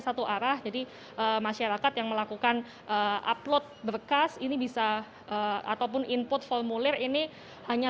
satu arah jadi masyarakat yang melakukan upload berkas ini bisa ataupun input formulir ini hanya